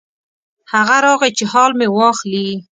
هغه راغی چې حال مې واخلي.